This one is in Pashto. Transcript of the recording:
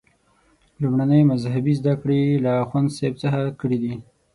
لومړنۍ مذهبي زده کړې یې له اخوندصاحب څخه کړي.